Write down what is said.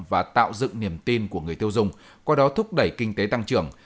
và tạo dựng niềm tin của người tiêu dùng qua đó thúc đẩy kinh tế tăng trưởng